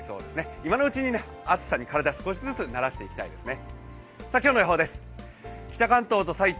今のうちに暑さに体、少しずつ慣らしていきたいですね。